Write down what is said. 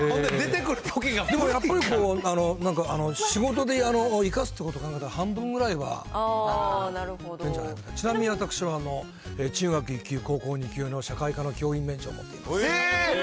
やっぱりこう、仕事で生かすってことを考えたら半分ぐらいはいくんじゃないかと、ちなみに私は中学１級、高校２級の社会科の教員免許を持ってます。